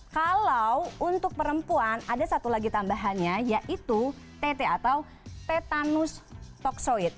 kalau untuk perempuan ada satu lagi tambahannya yaitu tete atau tetanus toxoid